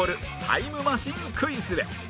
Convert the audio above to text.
タイムマシンクイズへ